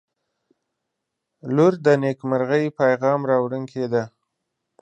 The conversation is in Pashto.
• لور د نیکمرغۍ پیغام راوړونکې ده.